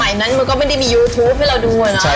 นั้นมันก็ไม่ได้มียูทูปให้เราดูอะเนาะ